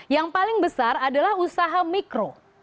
yang paling besar adalah usaha mikro